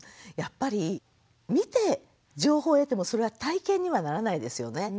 やっぱり見て情報を得てもそれは体験にはならないですよね。